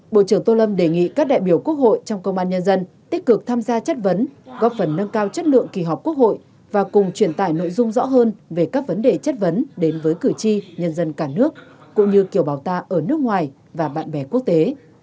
bộ trưởng tô lâm đề nghị các đại biểu quốc hội trong công an nhân dân tích cực tham gia chất vấn góp phần nâng cao chất lượng kỳ họp quốc hội và cùng truyền tải nội dung rõ hơn về các vấn đề chất vấn đến với cử tri nhân dân cả nước cũng như kiểu bào ta ở nước ngoài và bạn bè quốc tế